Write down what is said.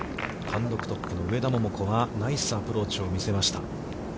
単独トップの上田桃子が、ナイスアプローチを見せました。